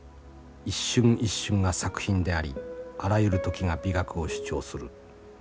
一瞬一瞬が作品でありあらゆる時が美学を主張する。